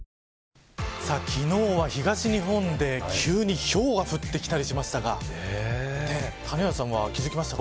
昨日は、東日本で急にひょうが降ってきたりしましたが谷原さんは、気付きましたか。